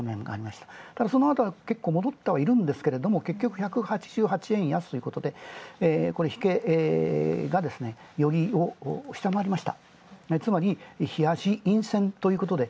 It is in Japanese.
ただ、そのあと結構戻ってはいるんですが結局１８８円安ということで、引けが読みを下回りました。